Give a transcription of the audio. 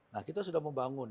nah kita sudah membangun